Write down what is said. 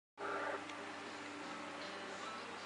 以我的能力没办法